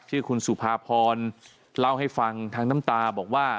ชื่อคุณสุภาพรเล่าให้ฟังทั้งน้ำตาบอกว่า